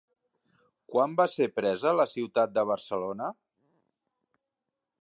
Quan va ser presa la ciutat de Barcelona?